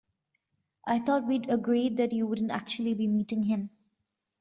I thought we'd agreed that you wouldn't actually be meeting him?